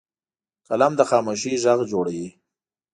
قلم له خاموشۍ غږ جوړوي